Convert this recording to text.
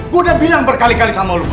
gua udah bilang berkali dua sama lu